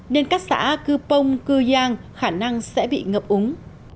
nên các xã cư pông cư giang khả năng sẽ bị ngập úng